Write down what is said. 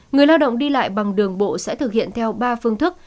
người lao động đi lại bằng đường bộ sẽ thực hiện theo ba phương thức